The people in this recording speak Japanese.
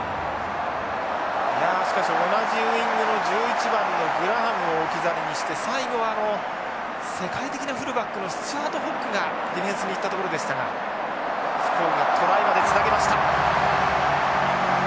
いやしかし同じウイングの１１番のグラハムを置き去りにして最後は世界的なフルバックのスチュアートホッグがディフェンスにいったところでしたが福岡トライまでつなげました。